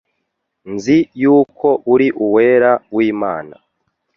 «Nzi yuko uri Uwera w'Imana.